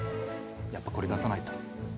やっぱこれ出さないと。